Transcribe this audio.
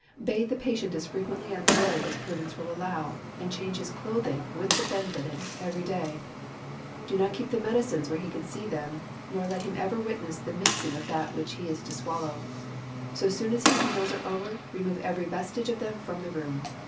Bathe the patient as frequently and thoroughly as prudence will allow, and change his clothing, with the bed linen, every day. Do not keep the medicines where he can see them, nor ever let him witness the mixing of that which he is to swallow. So soon as his meals are over, remove every vestige of them from the room.